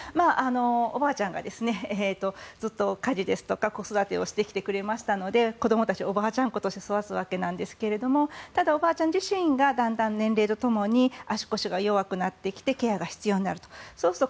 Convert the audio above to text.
おばあちゃんがずっと家事とか子育てをしてきてくれましたので子どもたちはおばあちゃん子として育つわけなんですがただおばあちゃん自身がだんだん年齢とともに足腰が弱くなってきてケアが必要になってくると。